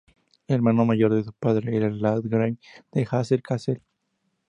El hermano mayor de su padre era el landgrave de Hesse-Kassel.